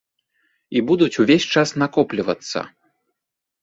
І будуць увесь час накоплівацца.